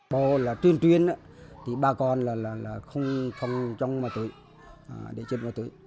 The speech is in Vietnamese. bộ là tuyên truyền thì ba con là không phòng chống ma túy để chết ma túy